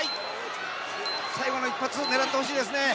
最後の一発を狙ってほしいですね。